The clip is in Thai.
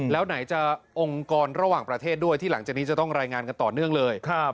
แล้วไหนจะองค์กรระหว่างประเทศด้วยที่หลังจากนี้จะต้องรายงานกันต่อเนื่องเลย